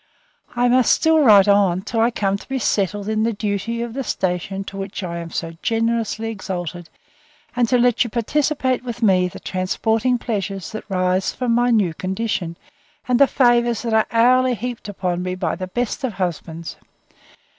I must still write on, till I come to be settled in the duty of the station to which I am so generously exalted, and to let you participate with me the transporting pleasures that rise from my new condition, and the favours that are hourly heaped upon me by the best of husbands.